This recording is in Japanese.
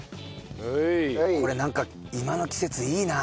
これなんか今の季節いいな！